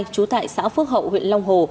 trú tại xã phước hậu huyện long hồ